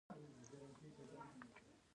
پور ورکوونکو د پوروړي د وژلو حق هم درلود.